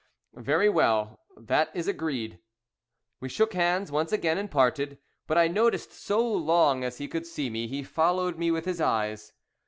"Very well, that is agreed." We shook hands once again and parted; but I noticed, so long as he could see me, he followed me with his eyes.